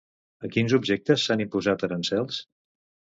A quins objectes s'han imposat aranzels?